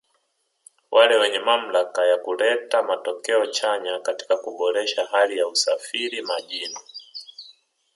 wale wenye mamlaka ya kuleta matokeo chanya katika kuboresha hali ya usafiri majini